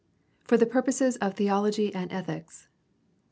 For the purposes of theology and ethics.